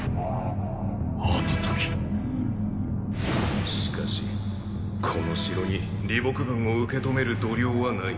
あの時しかしこの城に李牧軍を受け止める度量はない。